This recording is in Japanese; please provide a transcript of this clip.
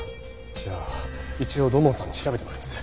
じゃあ一応土門さんに調べてもらいます。